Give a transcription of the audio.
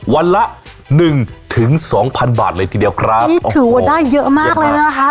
วันละหนึ่งถึงสองพันบาทเลยทีเดียวครับนี่ถือว่าได้เยอะมากเลยนะคะ